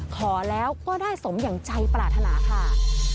ขอแล้วก็ได้สมอย่างใจปรารถนาค่ะ